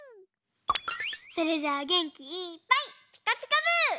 それじゃあげんきいっぱい「ピカピカブ！」。